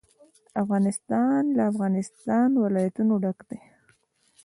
افغانستان له د افغانستان ولايتونه ډک دی.